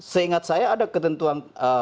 seingat saya ada ketentuan